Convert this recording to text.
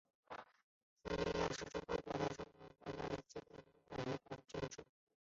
撒迦利雅是古代中东国家北以色列王国的君主。